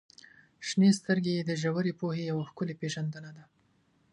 • شنې سترګې د ژورې پوهې یوه ښکلې پیژندنه ده.